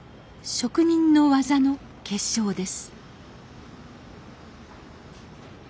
職人の技の結晶です